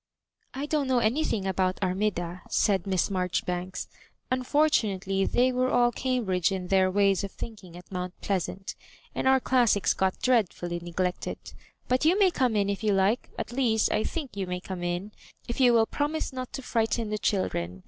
^ 1 don't know anything about Armida," said Miss Maijoribanks ;*' unfortunately they were all Cambridge in their ways of thinking at Mount Pleasant, and our classics got dreadfully ne glected. But you may come in if you like — at least I think you may come in, if you will promise not to frighten the children.